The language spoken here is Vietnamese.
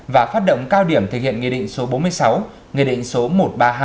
và phát động cao điểm thực hiện nghị định số bốn mươi sáu nghị định số một trăm ba mươi hai